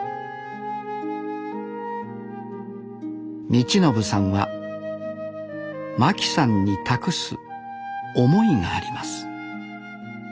充布さんは真樹さんに託す思いがあります